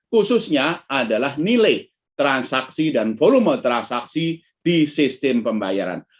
khususnya adalah nilai transaksi dan volume transaksi di sistem pembayaran